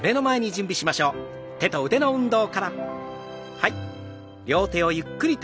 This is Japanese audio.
はい。